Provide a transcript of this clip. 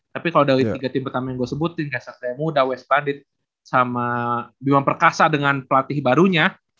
tapi kalau dari tiga tim pertama yang gue sebutin ya seharusnya mudah west bandit sama bimang perkasa dengan pelatih barunya